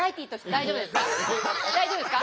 大丈夫ですか？